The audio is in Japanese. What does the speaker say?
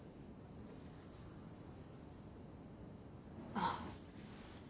あっ。